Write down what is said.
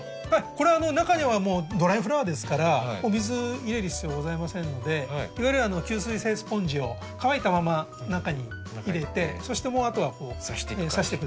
これは中にはもうドライフラワーですから水入れる必要はございませんのでいわゆる吸水性スポンジを乾いたまま中に入れてそしてもうあとは挿していくだけですね。